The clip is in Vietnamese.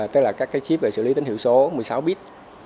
tức là các chip về xử lý tính hiệu số một mươi sáu bit